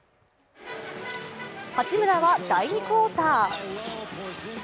八村は第２クオーター。